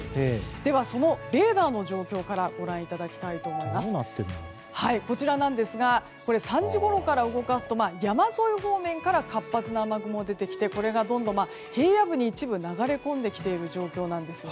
では、レーダーの状況からご覧いただきますと３時ごろから動かしていくと山沿い方面から活発な雨雲が出てきてこれがどんどん平野部に一部流れ込んできている状況です。